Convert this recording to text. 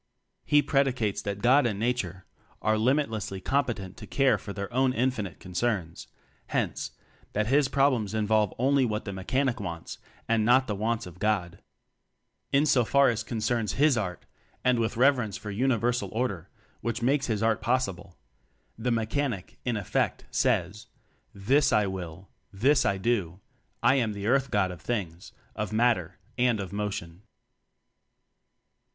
He predicates that "God" and "Na ture" are limitlessly competent to care for their own infinite concerns; hence, 22 TECHNOCRACY that his problems involve only what the Mechanic wants, and not "the wants of God." In so far as concerns his art (and with reverence for Uni versal Order, which makes his art pos sible) the Mechanic, in effect, says: "This I will," "Thus I do." "I am the Earth god of things, of matter, and of motion."